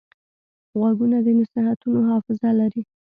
غوږونه د نصیحتونو حافظه لري